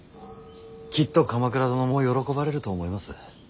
きっと鎌倉殿も喜ばれると思います。